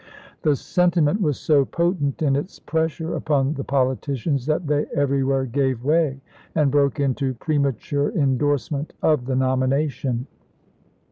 The sentiment was so potent in its pressure upon the politicians that they everywhere gave way and broke into premature indorsement of the nomina tion.